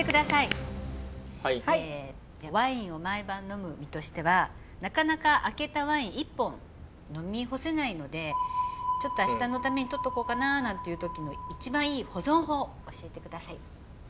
ワインを毎晩呑む身としてはなかなか開けたワイン一本呑み干せないのでちょっと明日のために取っとこうかななんていう時の一番いい保存法教えて下さい。